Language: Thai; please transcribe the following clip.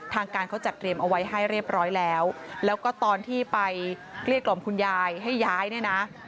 ทางการเขาจัดเตรียมเอาไว้ให้เรียบร้อยแล้วแล้วก็ตอนที่ไปเกลี้ยกล่อมคุณยายให้ย้ายเนี่ยนะ